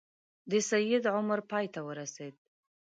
د سید عمر پای ته ورسېد.